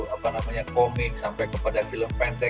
apa namanya komik sampai kepada film pendek